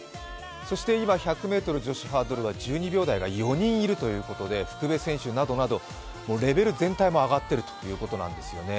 そして今、１００ｍ女子ハードルは１２秒台が４人いるということで福部選手などなどレベル全体も上がっているということなんです。